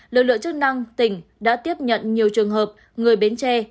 lực lượng chức năng tỉnh đã tiếp nhận nhiều trường hợp người bến tre